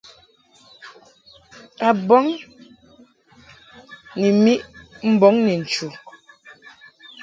A bɔŋ ni miʼ mbɔŋ ni nchu.